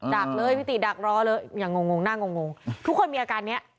ักเลยพี่ติดักรอเลยอย่างงงงหน้างงทุกคนมีอาการเนี้ย